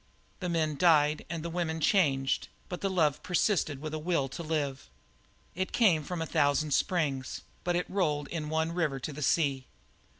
The men died and the women changed, but the love persisted with the will to live. It came from a thousand springs, but it rolled in one river to one sea.